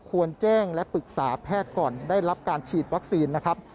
ควรแจ้งและปรึกษาแพทย์ก่อนได้รับการฉีดวัคซีนนะครับ